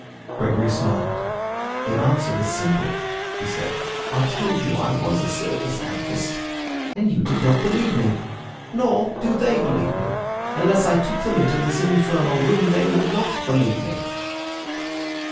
Gregory smiled. "The answer is simple," he said. "I told you I was a serious anarchist, and you did not believe me. Nor do they believe me. Unless I took them into this infernal room they would not believe me."